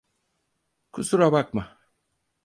Kusura bakma.